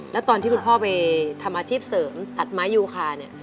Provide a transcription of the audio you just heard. แล้วตอนที่คุณพ่อไปทำอาชีพเสริมตัดไม้ยูคาเนี่ย